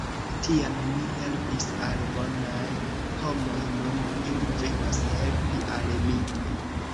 Tiam mi helpis al bonaj homoj, nun ili venos helpi al mi!